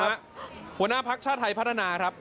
หัวหน้าภักดิ์ชาติไทยพัฒนาครับ